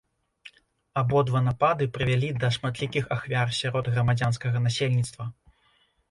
Абодва напады прывялі да шматлікіх ахвяр сярод грамадзянскага насельніцтва.